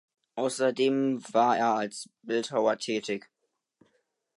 Außerdem war er als Bildhauer tätig.